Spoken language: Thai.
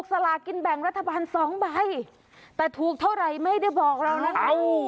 สลากินแบ่งรัฐบาลสองใบแต่ถูกเท่าไหร่ไม่ได้บอกเรานะคะ